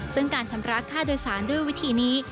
ซึ่งการชำระค่าโดยสารด้วยวิธีนี้